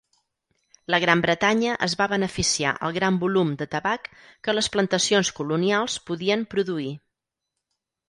La Gran Bretanya es va beneficiar el gran volum de tabac que les plantacions colonials podien produir.